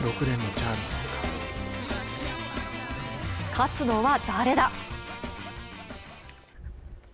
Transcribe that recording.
勝つのは誰だ？